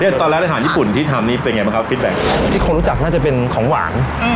เฮียตอนแรกอาหารญี่ปุ่นที่ทำนี้เป็นไงบ้างครับที่คนรู้จักน่าจะเป็นของหวานอืม